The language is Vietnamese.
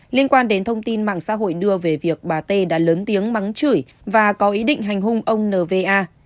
liên quan đến thông tin mạng xã hội đưa về việc bà t đã lớn tiếng bắn chửi và có ý định hành hung ông nva